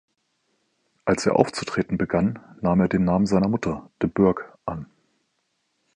Als er aufzutreten begann, nahm er den Namen seiner Mutter, „de Burgh”, an